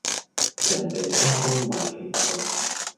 人地返工為興趣